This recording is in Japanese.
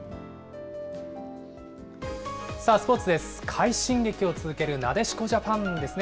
快進撃を続けるなでしこジャパンですね。